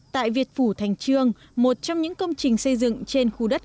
tại việt phủ thành trương một trong những công trình xây dựng trên khu đất